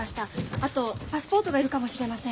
あとパスポートが要るかもしれません。